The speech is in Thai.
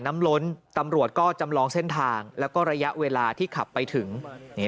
ล้นตำรวจก็จำลองเส้นทางแล้วก็ระยะเวลาที่ขับไปถึงนี่